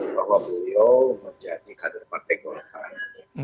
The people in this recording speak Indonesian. bahwa beliau menjadi kader partai golkar